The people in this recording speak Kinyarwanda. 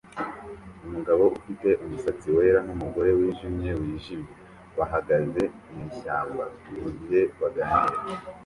Umugabo ufite umusatsi wera numugore wijimye wijimye bahagaze mwishyamba mugihe baganira